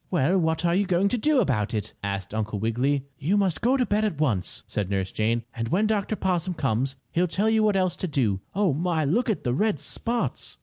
"Well, what are you going to do about it?" asked Uncle Wiggily. "You must go to bed at once," said Nurse Jane, "and when Dr. Possum comes he'll tell you what else to do. Oh, my! Look at the red spots!"